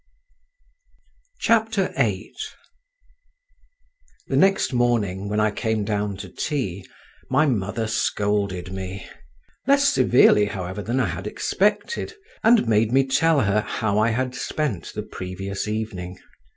VIII The next morning, when I came down to tea, my mother scolded me—less severely, however, than I had expected—and made me tell her how I had spent the previous evening.